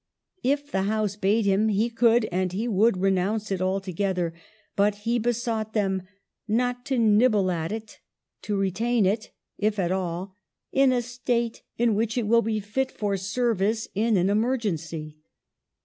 If the House bade him, he could and he would renounce it altogether, but he besought them '* not to nibble at it "; to retain it, if at all, " in a state in which it will be fit for service in an emergency